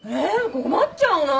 困っちゃうな。